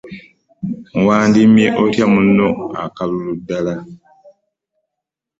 Wandimmye otya munno akalulu ddala?